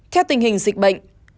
theo tình hình dịch bệnh